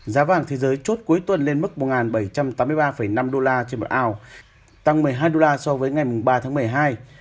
giá vàng thế giới chốt cuối tuần lên mức một bảy trăm tám mươi ba năm đô la trên một ao tăng một mươi hai đô la so với ngày ba tháng một mươi hai